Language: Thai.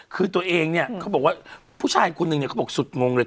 คือตัวเองเนี่ยเขาบอกว่าผู้ชายคนนึงเนี่ยเขาบอกสุดงงเลย